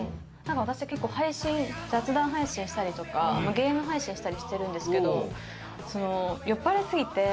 私結構雑談配信したりとかゲーム配信したりしてるんですけど。